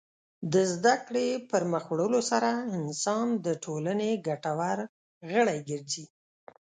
د زدهکړې پرمخ وړلو سره انسان د ټولنې ګټور غړی ګرځي.